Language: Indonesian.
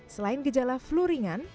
selain gejala flu ringan